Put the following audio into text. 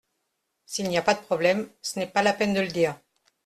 S’il n’y a pas de problème ce n’est pas la peine de le dire.